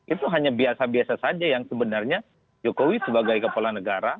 itu hanya biasa biasa saja yang sebenarnya jokowi sebagai kepala negara